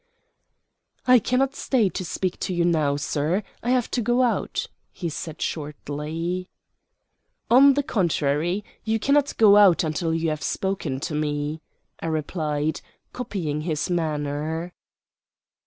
"I cannot stay to speak to you now, sir. I have to go out," he said shortly. "On the contrary, you cannot go out until you have spoken to me," I replied, copying his manner.